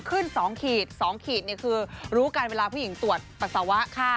ขึ้น๒ขีด๒ขีดคือรู้กันเวลาผู้หญิงตรวจปัสสาวะ